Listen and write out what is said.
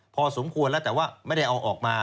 พอสมควรแล้วแต่ว่าไม่ได้เอาออกมา